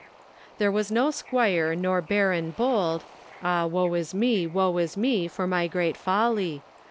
There was no squire nor barron bold, Ah woe is me, woe is me, for my great folly!